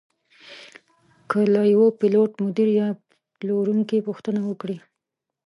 که له یوه پیلوټ، مدیر یا پلورونکي پوښتنه وکړئ.